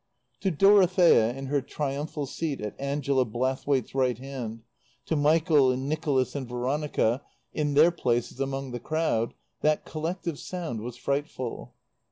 To Dorothea, in her triumphal seat at Angela Blathwaite's right hand, to Michael and Nicholas and Veronica in their places among the crowd, that collective sound was frightful.